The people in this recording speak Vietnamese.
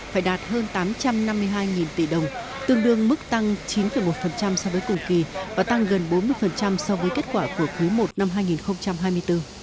phải đạt hơn tám trăm năm mươi hai tỷ đồng tương đương mức tăng chín một so với cùng kỳ và tăng gần bốn mươi so với kết quả của quý i năm hai nghìn hai mươi bốn